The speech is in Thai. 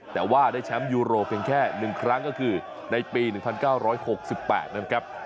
แต่ว่าได้แชมป์ยูโรเพียงแค่๑ครั้งก็คือในปี๑๙๖๘นะครับ